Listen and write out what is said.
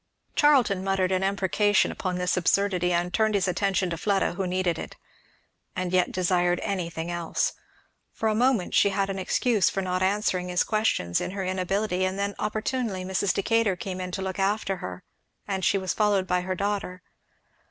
Charlton muttered an imprecation upon his absurdity, and turned his attention to Fleda, who needed it. And yet desired anything else. For a moment she had an excuse for not answering his questions in her inability; and then opportunely Mrs. Decatur came in to look after her; and she was followed by her daughter.